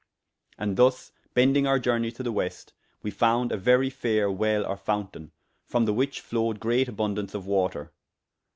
And thus bendyng our journey to the west we founde a very fayre [p.344] well or fountayne, from the which flowed great aboundance of water.